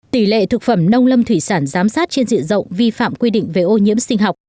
tỷ lệ thực phẩm nông lâm thủy sản giám sát trên diện rộng vi phạm quy định về ô nhiễm sinh học